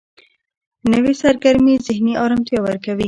نوې سرګرمي ذهني آرامتیا ورکوي